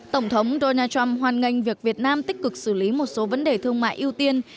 tổng thống donald trump hoan nghênh việc việt nam tích cực xử lý một số vấn đề thương mại ưu tiên